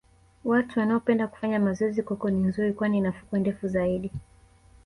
watu wanaopenda kufanya mazoezi coco ni nzuri kwani ina fukwe ndefu zaidi